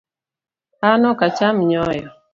An ok acham nyoyo